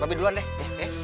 babi duluan be